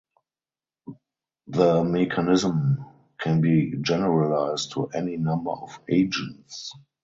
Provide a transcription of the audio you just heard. The mechanism can be generalized to any number of agents.